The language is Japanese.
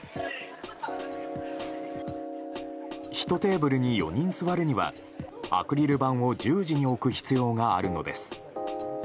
１テーブルに４人座るにはアクリル板を十字に置く必要があるのです。